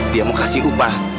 dia mau kasih upah